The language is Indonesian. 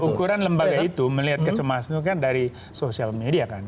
ukuran lembaga itu melihat kecemasan itu kan dari sosial media kan